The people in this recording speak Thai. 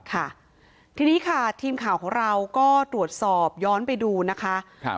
ค่ะทีนี้ค่ะทีมข่าวของเราก็ตรวจสอบย้อนไปดูนะคะครับ